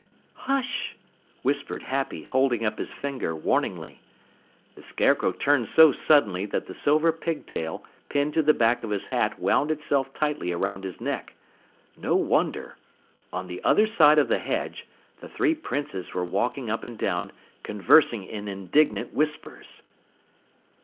"Hush!" whispered Happy, holding up his finger warningly. The Scarecrow turned so suddenly that the silver pigtail pinned to the back of his hat wound itself tightly around his neck. No wonder! On the other side of the hedge the three Princes were walking up and down, conversing in indignant whispers.